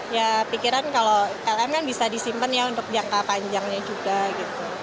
ya pikiran kalau plm kan bisa disimpan ya untuk jangka panjangnya juga gitu